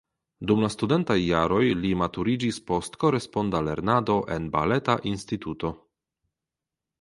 Dum la studentaj jaroj li maturiĝis post koresponda lernado en Baleta Instituto.